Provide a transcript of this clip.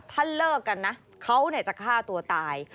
ถ้าเลิกกันนะเขาจะฆ่าตัวตาย